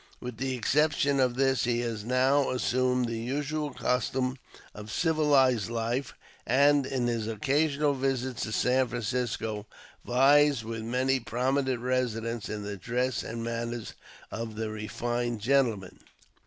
With the exception of this, he has now assumed the usual costume of civilized life, and, in his occasional visits to San Francisco, vies with many prominent residents in the dress and manners of the refined gentleman.